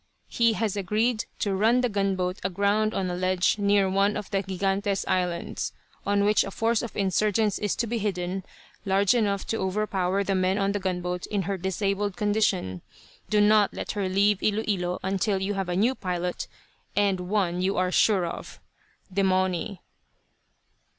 He has agreed to run the gunboat aground on a ledge near one of the Gigantes Islands, on which a force of insurgents is to be hidden, large enough to overpower the men on the gunboat in her disabled condition. Do not let her leave Ilo Ilo until you have a new pilot, and one you are sure of. "Demauny."